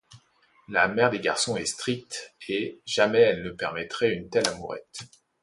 La mère des garçons est stricte et, jamais, elle ne permettrait une telle amourette.